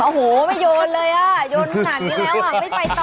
โอ้โหไม่โยนเลยอ่ะโยนขนาดนี้แล้วอ่ะไม่ไปต่อ